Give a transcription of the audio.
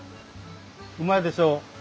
うまいでしょ？